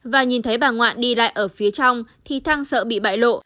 và nhìn thấy bà ngoạn đi lại ở phía trong thì thăng sợ bị bại lộ